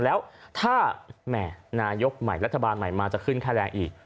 แล้วถ้าแหม่นายกใหม่รัฐบาลใหม่มาจะขึ้นค่าแรงอีก